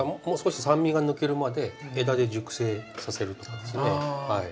もう少し酸味が抜けるまで枝で熟成させるってことですね。